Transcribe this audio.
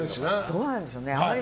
どうなんでしょうね。